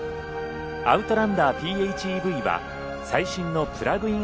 アウトランダーＰＨＥＶは最新のプラグイン